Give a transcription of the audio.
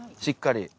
しっかり。